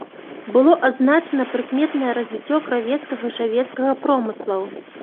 Было адзначана прыкметнае развіццё кравецкага і шавецкага промыслаў.